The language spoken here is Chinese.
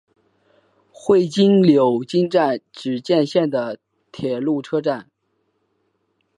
会津柳津站只见线的铁路车站。